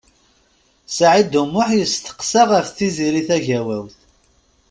Saɛid U Muḥ yesteqsa ɣef Tiziri Tagawawt.